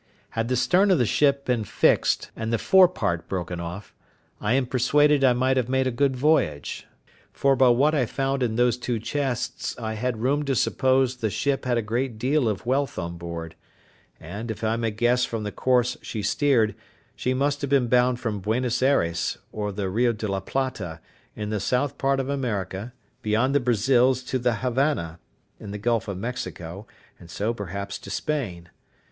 Had the stern of the ship been fixed, and the forepart broken off, I am persuaded I might have made a good voyage; for by what I found in those two chests I had room to suppose the ship had a great deal of wealth on board; and, if I may guess from the course she steered, she must have been bound from Buenos Ayres, or the Rio de la Plata, in the south part of America, beyond the Brazils to the Havannah, in the Gulf of Mexico, and so perhaps to Spain.